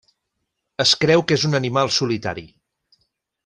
Es creu que és un animal solitari.